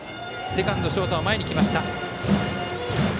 セカンド、ショートは前に来ました。